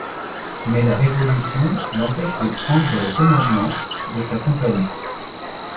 Mais la Révolution l'empêche de prendre le commandement de sa compagnie.